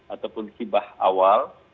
ataupun kibah awal